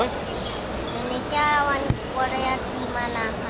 indonesia lawan korea lima